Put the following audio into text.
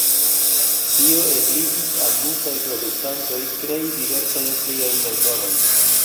Tio ebligis al multaj produktantoj krei diversajn pliajn eldonojn.